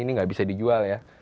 ini nggak bisa dijual ya